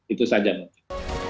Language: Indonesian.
itu saja mungkin